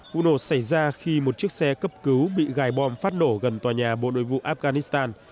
vụ nổ xảy ra khi một chiếc xe cấp cứu bị gài bom phát nổ gần tòa nhà bộ nội vụ afghanistan